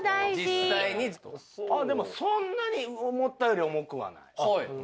あっでもそんなに思ったより重くはない。